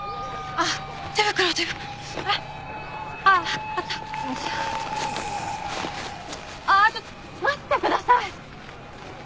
ああちょっと待ってください！